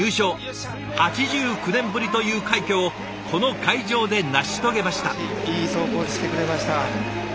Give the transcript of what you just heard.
８９年ぶりという快挙をこの会場で成し遂げました。